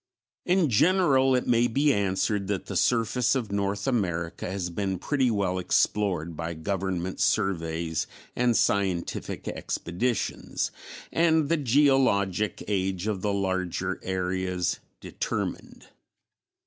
In general it may be answered that the surface of North America has been pretty well explored by government surveys and scientific expeditions and the geologic age of the larger areas determined.